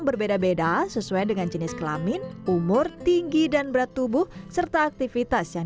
berbeda beda sesuai dengan jenis kelamin umur tinggi dan berat tubuh serta aktivitas yang